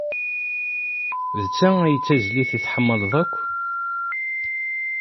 D ta ay d tizlit ay tḥemmleḍ akk?